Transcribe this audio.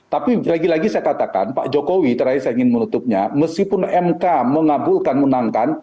tapi lagi lagi saya katakan pak jokowi terakhir saya ingin menutupnya meskipun mk mengabulkan menangkan